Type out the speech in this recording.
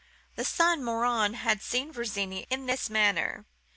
The son, Morin, had seen Virginie in this manner.